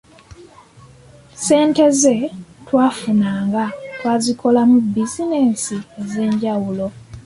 Ssente ze twafunanga twazikolamu bizinensi ez’enjawulo.